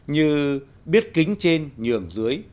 như biết kính trên nhường dưới